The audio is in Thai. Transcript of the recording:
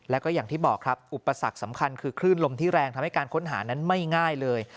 แล้วก็อย่างที่บอกครับอุปสรรคสำคัญคือคลื่นลมที่แรงทำให้การค้นหานั้นไม่ง่ายเลย